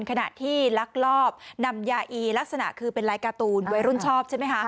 ขณะที่ลักลอบนำยาอีลักษณะคือเป็นลายการ์ตูนวัยรุ่นชอบใช่ไหมคะ